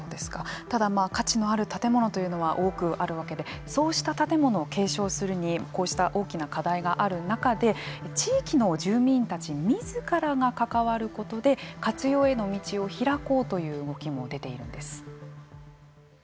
ただ価値のある建物というのは多くあるわけでそうした継承するにはこうした大きな課題がある中で地域の住民たちみずからが関わることで活用への道を開こうという動きも出ているんです。